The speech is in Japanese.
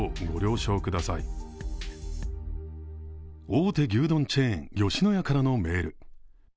大手牛丼チェーン、吉野家からのメール。